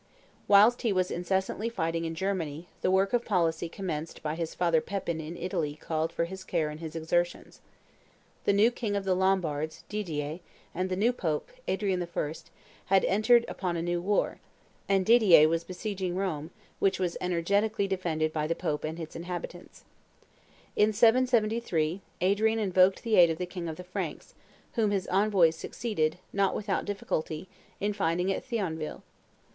Whilst he was incessantly fighting in Germany, the work of policy commenced by his father Pepin in Italy called for his care and his exertions. The new king of the Lombards, Didier, and the new Pope, Adrian I., had entered upon a new war; and Dither was besieging Rome, which was energetically defended by the Pope and its inhabitants. In 773, Adrian invoked the aid of the king of the Franks, whom his envoys succeeded, not without difficulty, in finding at Thionville.